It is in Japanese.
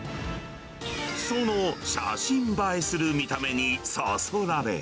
その写真映えする見た目にそそられ。